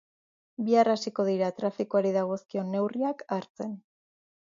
Bihar hasiko dira trafikoari dagozkion neurriak hartzen.